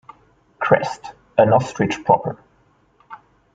Crest: An Ostrich proper.